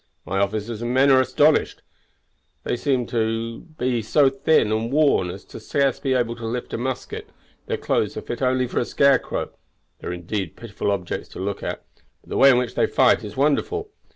My officers and men are astonished. They seem so thin and worn as to be scarce able to lift a musket, their clothes are fit only for a scarecrow, they are indeed pitiful objects to look at; but the way in which they fight is wonderful.